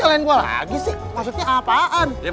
lagi sih maksudnya apaan